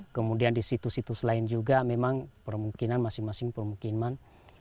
kemudian di situs situs lain juga memang permukiman masing masing permukiman